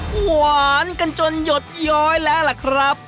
หวานกันจนหยดย้อยแล้วล่ะครับ